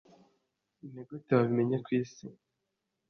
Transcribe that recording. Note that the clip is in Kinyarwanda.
nigute wabimenye kwisi